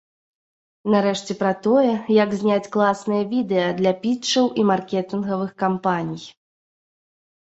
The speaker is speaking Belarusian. Нарэшце, пра тое, як зняць класнае відэа для пітчаў і маркетынгавых кампаній.